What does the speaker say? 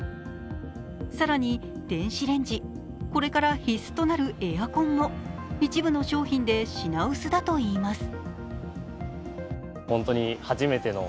更に電子レンジ、これから必須となるエアコンも一部の商品で品薄だといいます。